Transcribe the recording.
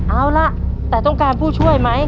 เอาล่ะแต่ต้องการผู้ช่วยไหม